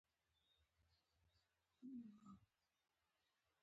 ایا ستاسو خولۍ به پر سر نه وي؟